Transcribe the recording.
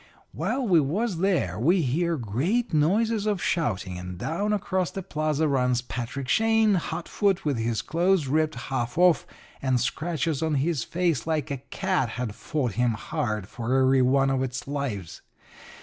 "While we was there we hear great noises of shouting, and down across the plaza runs Patrick Shane, hotfoot, with his clothes ripped half off, and scratches on his face like a cat had fought him hard for every one of its lives.